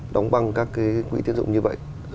đóng băng các cái quỹ tiến dụng như vậy